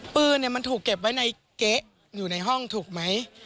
ปืนมันถูกเก็บไว้ในเก๊ะอยู่ในห้องถูกไหม